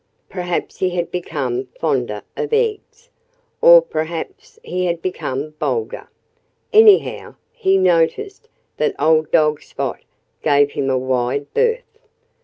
Perhaps he had become fonder of eggs. Or perhaps he had become bolder. Anyhow, he noticed that old dog Spot gave him a wide berth.